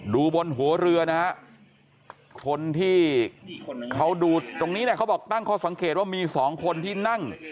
บนหัวเรือนะฮะคนที่เขาดูตรงนี้เนี่ยเขาบอกตั้งข้อสังเกตว่ามีสองคนที่นั่ง